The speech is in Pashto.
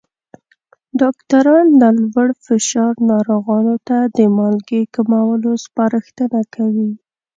ډاکټران له لوړ فشار ناروغانو ته د مالګې کمولو سپارښتنه کوي.